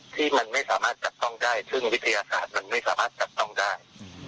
ที่มันไม่สามารถจับต้องได้ซึ่งวิทยาศาสตร์มันไม่สามารถจับต้องได้